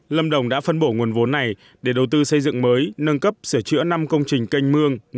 lâm đồng đã phân bổ nguồn vốn này để đầu tư xây dựng mới nâng cấp sửa chữa năm công trình canh mương